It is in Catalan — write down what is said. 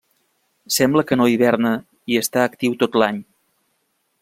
Sembla que no hiverna i està actiu tot l'any.